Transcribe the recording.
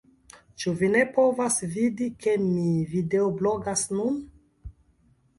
Ĉu vi ne povas vidi, ke mi videoblogas nun